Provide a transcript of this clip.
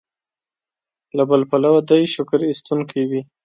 له بل پلوه دې شکر ایستونکی وي.